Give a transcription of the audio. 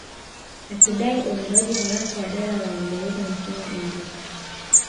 Akidai uondoaji haraka wa Dola la Uingereza nchini India